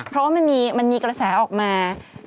เพราะว่ามันมีกระแสออกมา